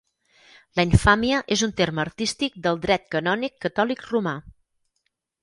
La infàmia és un terme artístic del Dret Canònic Catòlic Romà.